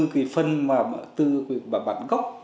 cái phần từ bản gốc